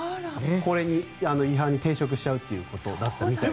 これに違反に抵触しちゃうみたいなことだったみたいです。